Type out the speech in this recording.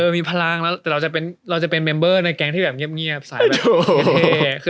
มีพลังแล้วแต่เราจะเป็นเมมเบอร์ในแก๊งที่แบบเงียบสายแบบโอเค